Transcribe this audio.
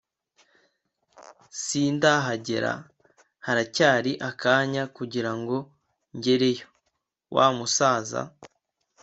sindahagera haracyari akanya kugira ngo ngereyo.” Wa musaza